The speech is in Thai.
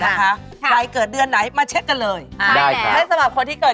ตั้งแต่สม่อคนที่เกิดเดือนนี้ก่อนแล้วกันเนอะ